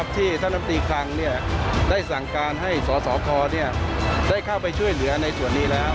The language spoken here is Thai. ที่ท่านลำตีคลังได้สั่งการให้สสคได้เข้าไปช่วยเหลือในส่วนนี้แล้ว